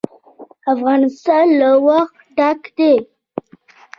افغانستان له اوښ ډک دی.